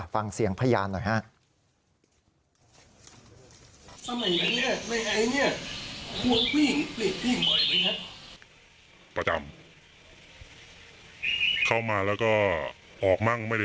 ฟังเสียงพยานหน่อยฮะ